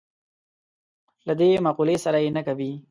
له دې مقولې سره یې نه کوي.